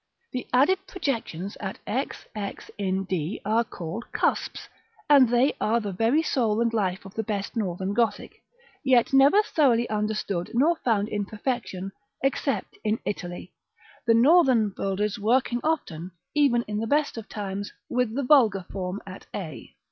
] The added projections at x x, in d, are called CUSPS, and they are the very soul and life of the best northern Gothic; yet never thoroughly understood nor found in perfection, except in Italy, the northern builders working often, even in the best times, with the vulgar form at a.